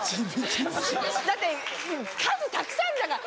だって数たくさんあるんだから。